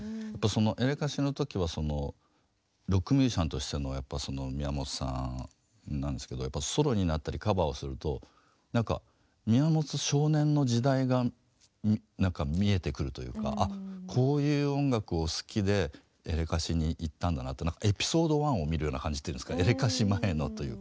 エレカシの時はロックミュージシャンとしてのやっぱ宮本さんなんですけどソロになったりカバーをするとなんか宮本少年の時代がなんか見えてくるというかあっこういう音楽を好きでエレカシにいったんだなってエピソードワンを見るような感じっていうんですかエレカシ前のというか。